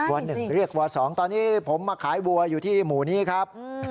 ๑เรียกว๒ตอนนี้ผมมาขายวัวอยู่ที่หมู่นี้ครับ